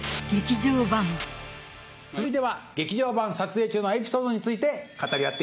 続いては劇場版撮影中のエピソードについて語り合って○△□×☆